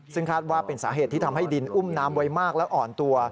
ซึ่งคาดว่าเป็นสาเหตุที่ทำให้ดินอุ้มน้ำไว้มากและอ่อนตัว